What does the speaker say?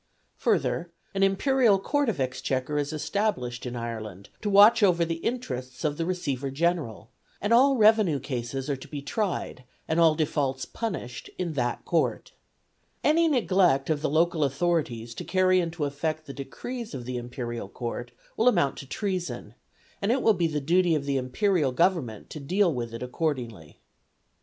Further, an Imperial Court of Exchequer is established in Ireland to watch over the interests of the Receiver General, and all revenue cases are to be tried, and all defaults punished in that court. Any neglect of the local authorities to carry into effect the decrees of the Imperial Court will amount to treason, and it will be the duty of the Imperial Government to deal with it accordingly.